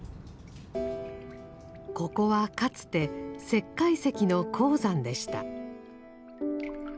ここはかつて石灰石の鉱山でした。